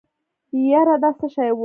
يره دا څه شی و.